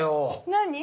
何？